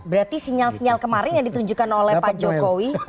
berarti sinyal sinyal kemarin yang ditunjukkan oleh pak jokowi